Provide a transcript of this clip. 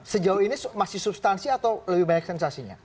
sejauh ini masih substansi atau lebih banyak sensasinya